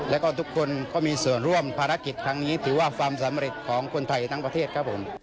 แล้วก็ทุกคนก็มีส่วนร่วมภารกิจครั้งนี้ถือว่าความสำเร็จของคนไทยทั้งประเทศครับผม